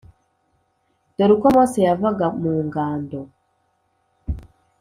Dore uko Mose yavaga mu ngando